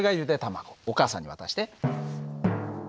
お母さんに渡して。